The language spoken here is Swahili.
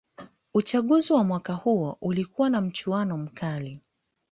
uchaguzi wa mwaka huo ulikuwa na mchuano mkali